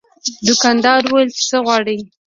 دوکاندار وویل چې څه غواړې.